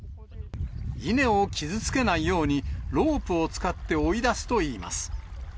稲を傷つけないように、ロープを使って追い出すといいます。